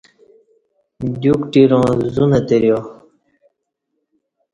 دیوکٹیراں زو نہ توریا